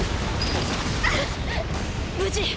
無事？